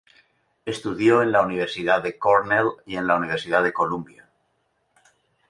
Estudió en la Universidad de Cornell y la Universidad de Columbia.